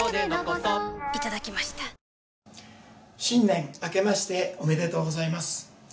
新年明けましておめでとうございます。